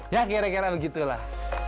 ya kira kira begitulah